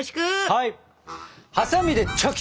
はい！